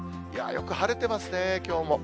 よく晴れてますね、きょうも。